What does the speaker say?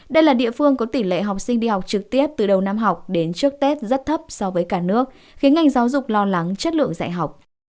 đây là địa phương có tỷ lệ học sinh đi học trực tiếp từ đầu năm học đến trước tết rất thấp so với cả nước khiến ngành giáo dục lo lắng chất lượng dạy học